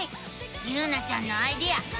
ゆうなちゃんのアイデアすごいね！